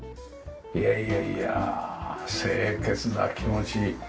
いやいやいや清潔な気持ちに。